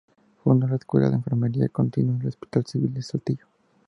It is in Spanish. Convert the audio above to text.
Fundó la Escuela de Enfermería contigua al Hospital Civil de Saltillo.